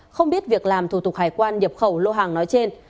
không biết việc làm thủ tục hải quan nhập khẩu lô hàng nói trên